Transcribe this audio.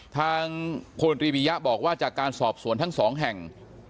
ทางพลตรีปียะบอกว่าจากการสอบสวนทั้งสองแห่ง